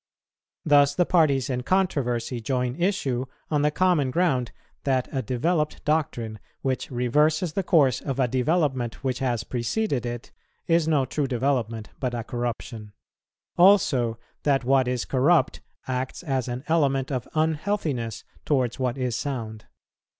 Thus the parties in controversy join issue on the common ground, that a developed doctrine which reverses the course of development which has preceded it, is no true development but a corruption; also, that what is corrupt acts as an element of unhealthiness towards what is sound.